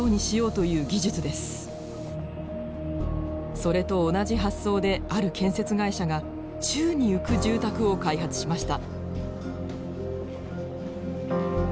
それと同じ発想である建設会社が宙に浮く住宅を開発しました。